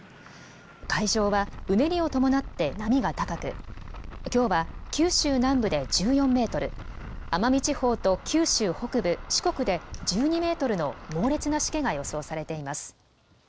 海上はうねりを伴って波が高く、きょうは九州南部で１４メートル、奄美地方と九州北部、四国で１２メートルの猛烈なしけが予想されています。